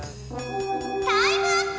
タイムアップ！